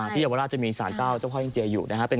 ที่เยาวราชจะมีสารเจ้าเจ้าพ่อเฮ่งเจียอยู่นะฮะ